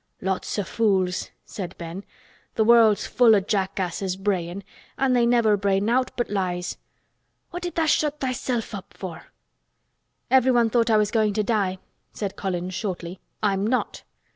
"Lots o' fools," said Ben. "Th' world's full o' jackasses brayin' an' they never bray nowt but lies. What did tha' shut thysel' up for?" "Everyone thought I was going to die," said Colin shortly. "I'm not!"